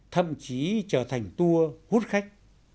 thậm chí trở thành tour hút khách